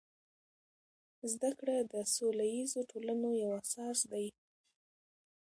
زده کړه د سوله ییزو ټولنو یو اساس دی.